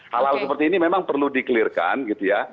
hal hal seperti ini memang perlu dikelirkan gitu ya